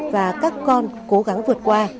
và các con cố gắng vượt qua